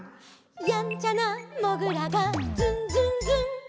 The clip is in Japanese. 「やんちゃなもぐらがズンズンズン」